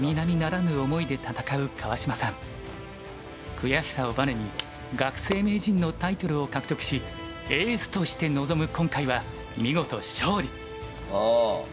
悔しさをバネに学生名人のタイトルを獲得しエースとして臨む今回は見事勝利！